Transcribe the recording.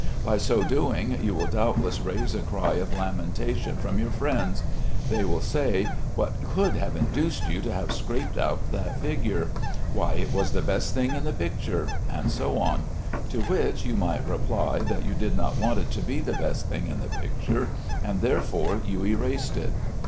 By so doing you will doubtless raise a cry of lamentation from your friends. They will say, "What could have induced you to have scraped out that figure? Why, it was the best thing in the picture," and so on. To which you might reply that you did not want it to be the best thing in the picture, and therefore you erased it.